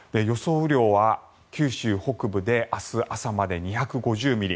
雨量は九州北部で明日朝までに２５０ミリ